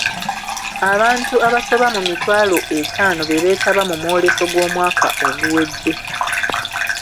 Abantu abasoba mu mitwalo etaano be beetaba mu mwoleso gw’omwaka oguwedde.